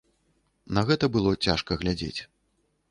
На гэта было цяжка глядзець.